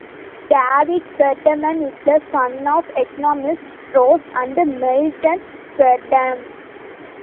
David Friedman is the son of economists Rose and Milton Friedman.